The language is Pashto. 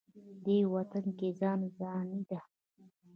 دې وطن کې ځان ځاني ده.